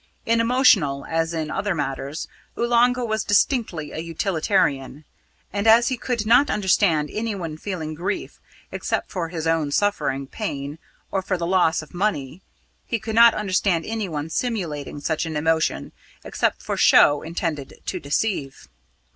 In emotional, as in other matters, Oolanga was distinctly a utilitarian, and as he could not understand anyone feeling grief except for his own suffering, pain, or for the loss of money, he could not understand anyone simulating such an emotion except for show intended to deceive.